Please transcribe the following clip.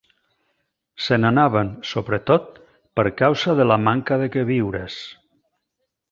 Se n'anaven, sobretot, per causa de la manca de queviures